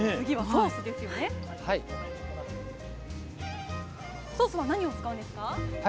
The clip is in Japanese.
ソースは何を使うんですか？